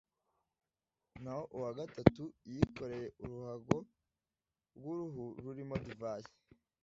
naho uwa gatatu yikoreye uruhago rw'uruhu rurimo divayi